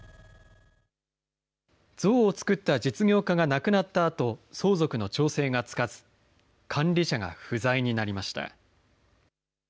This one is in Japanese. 像をつくった実業家が亡くなったあと相続の調整がつかず、管理者が不在になりました。